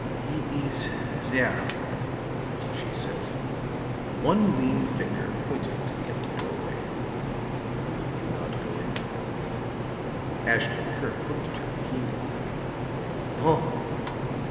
"He is there," she said, one lean finger pointing to the empty doorway. "Will you not go in?" Ashton Kirk looked at her keenly. "No."